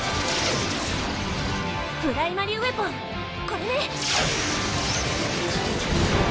プライマリウェポンこれね！